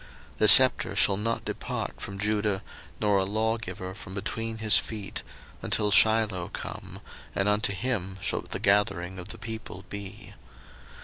01:049:010 The sceptre shall not depart from Judah, nor a lawgiver from between his feet, until Shiloh come; and unto him shall the gathering of the people be.